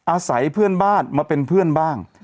อาศัยเพื่อนบ้านมาเป็นเพื่อนบ้าง